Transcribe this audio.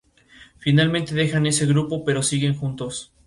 Finalmente dejan ese grupo, pero siguen juntos.